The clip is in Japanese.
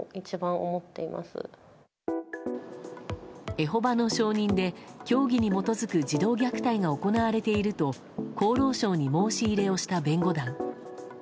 エホバの証人で、教義に基づく児童虐待が行われていると厚労省に申し入れをした弁護団。